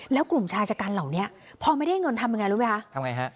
แล้วกลุ่มชายจกรเหล่านี้พอไม่ได้เงินทำยังไงรู้ไหมคะ